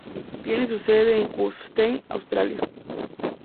Tiene su sede en Kufstein, Austria.